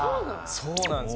そうなんです。